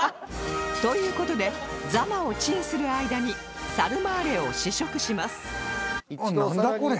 という事でザマをチンする間にサルマーレを試食しますなんだ？